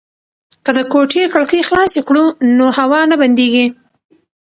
که د کوټې کړکۍ خلاصې کړو نو هوا نه بندیږي.